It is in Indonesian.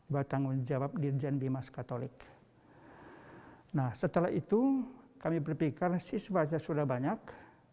bertanggung jawab dirjen bimas katolik nah setelah itu kami berpikir siswanya sudah banyak